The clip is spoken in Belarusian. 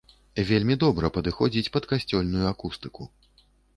Вельмі добра падыходзіць пад касцёльную акустыку.